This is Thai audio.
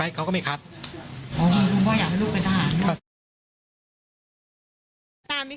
ไปเขาก็ไม่ขัดอ๋อพ่ออยากให้ลูกเป็นทหารอ่ะตาไม่